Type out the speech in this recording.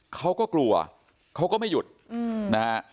เขาก็กลัวเขาก็ไม่หยุดนะฮะ